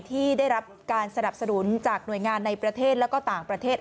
ที่ได้รับการสนับสนุนจากหน่วยงานในประเทศและก็ต่างประเทศ